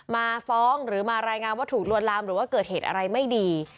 มาฟ้องหรือมารายงานว่าถูกลวนลามหรือว่าเกิดเหตุอะไรไม่ดี